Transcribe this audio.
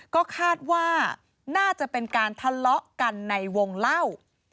ก็คาดว่าน่าจะเป็นการทะเลาะกันในวงเล่า